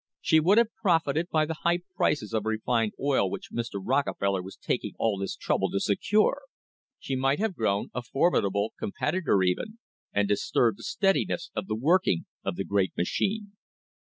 She would have profited by the high prices of refined oil which Mr. Rockefeller was taking all this trouble to secure. She might have grown a formidable competitor even, and disturbed the steadiness of the working of the great machine.